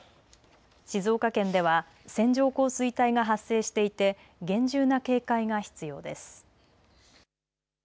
静岡県では線状降水帯が発生していて厳重な警戒が必要です。